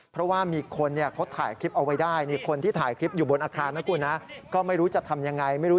ผู้โดยสารเปิดประตูหลังออกมานี่คุณ